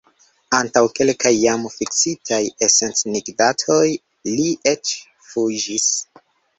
Antaŭ kelkaj jam fiksitaj enscenigdatoj li eĉ fuĝis.